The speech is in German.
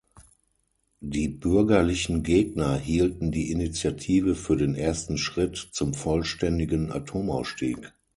Die bürgerlichen Gegner hielten die Initiative für den ersten Schritt zum vollständigen Atomausstieg.